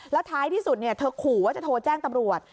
แล้วท้ายที่สุดเธอขู่ว่าจะโทรแจ้งตำรวจ